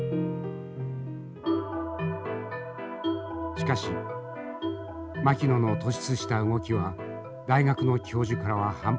しかし牧野の突出した動きは大学の教授からは反発を受けました。